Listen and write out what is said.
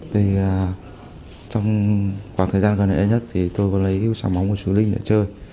thì trong khoảng thời gian gần đây nhất thì tôi có lấy sả móng của chú linh để chơi